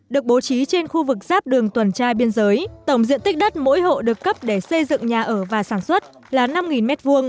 được bố trí trên khu vực giáp đường tuần trai biên giới tổng diện tích đất mỗi hộ được cấp để xây dựng nhà ở và sản xuất là năm m hai